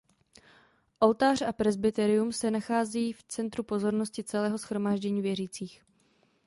Oltář a presbyterium se nacházejí v centru pozornosti celého shromáždění věřících.